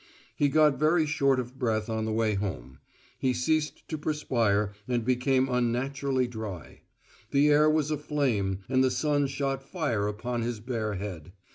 He got very short of breath on the way home; he ceased to perspire and became unnaturally dry; the air was aflame and the sun shot fire upon his bare head.